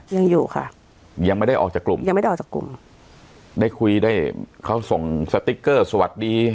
ยังอยู่ค่ะยังไม่ได้ออกจากกลุ่มยังไม่ได้ออกจากกลุ่มได้คุยได้เขาส่งสติ๊กเกอร์สวัสดี